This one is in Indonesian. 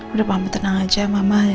udah mampu tenang aja mama